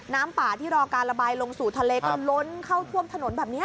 น้ำป่าที่รอการระบายลงสู่ทะเลก็ล้นเข้าท่วมถนนแบบนี้